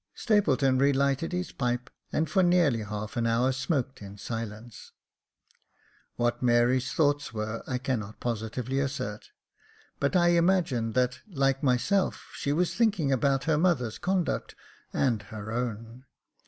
Stapleton relighted his pipe, and for nearly half an hour smoked in silence. What Mary's thoughts were I cannot positively assert ; but I imagined that, like myself, she was thinking about her mother's conduct and her own.